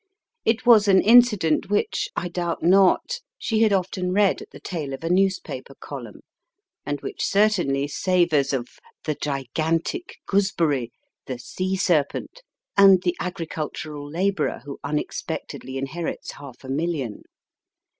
It was an incident which, I doubt not, she had often read at the tail of a newspaper column, and which cer tainly savours of the gigantic gooseberry, the sea serpent, and the agricultural labourer who unexpectedly inherits half a million.